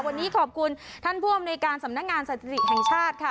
วันนี้ขอบคุณท่านผู้อำนวยการสำนักงานสถิติแห่งชาติค่ะ